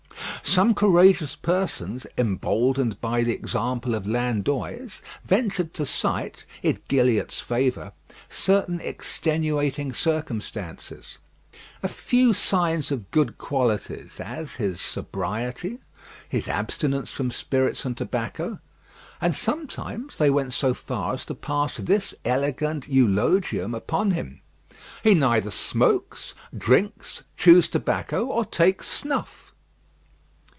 Some courageous persons, emboldened by the example of Landoys, ventured to cite, in Gilliatt's favour, certain extenuating circumstances; a few signs of good qualities, as his sobriety, his abstinence from spirits and tobacco; and sometimes they went so far as to pass this elegant eulogium upon him: "He neither smokes, drinks, chews tobacco, or takes snuff."